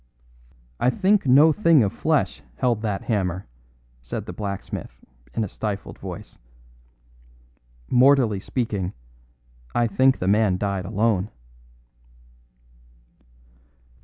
"I think no thing of flesh held that hammer," said the blacksmith in a stifled voice; "mortally speaking, I think the man died alone."